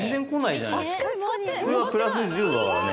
普通はプラス１０度だからね。